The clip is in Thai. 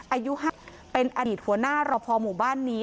อายุเป็นอดีตหัวหน้ารอพอหมู่บ้านนี้